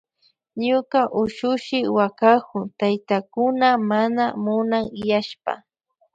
Ñuka ushushi wakakun taytakuna mana munanyashpa.